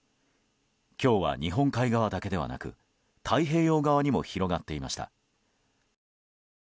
今日は日本海側だけではなく太平洋側にも広がっていました。